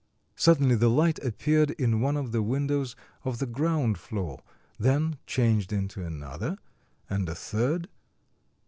Suddenly the light appeared in one of the windows of the ground floor, then changed into another, and a third....